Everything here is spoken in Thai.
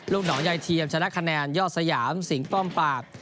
หนองยายเทียมชนะคะแนนยอดสยามสิงห้อมปาก